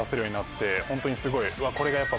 ホントにすごいやっぱ。